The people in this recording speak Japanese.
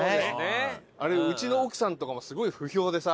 あれうちの奥さんとかもすごい不評でさ。